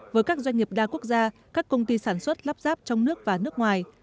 với các doanh nghiệp đa quốc gia các công ty sản xuất lắp ráp trong nước và nước ngoài